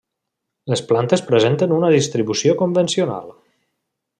Les plantes presenten una distribució convencional.